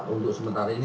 untuk sementara ini